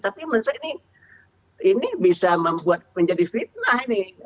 tapi ini bisa menjadi fitnah ini